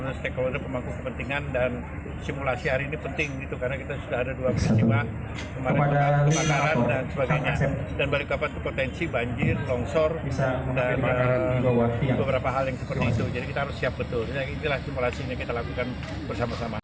itulah simulasi yang kita lakukan bersama sama